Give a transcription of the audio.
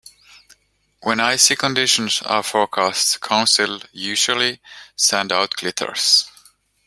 When icy conditions are forecast, councils usually send out gritters.